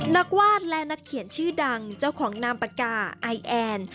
วาดและนักเขียนชื่อดังเจ้าของนามปากกาไอแอน